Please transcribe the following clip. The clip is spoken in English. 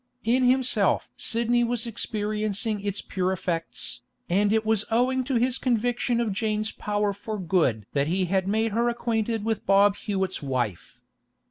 In himself Sidney was experiencing its pure effects, and it was owing to his conviction of Jane's power for good that he had made her acquainted with Bob Hewett's wife.